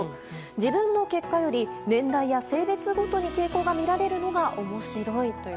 自分の結果より年代や性別ごとに傾向が見られるのが面白いと。